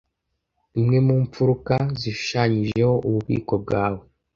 imwe mu mfuruka zishushanyijeho ububiko bwawe